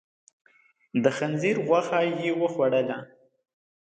د خنزير غوښه يې خوړله.